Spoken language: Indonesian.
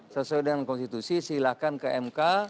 sesuai dengan konstitusi silahkan ke mk